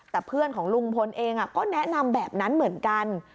แต่เพื่อนของลุงพลเองก็แนะนำแบบนั้นเหมือนกัน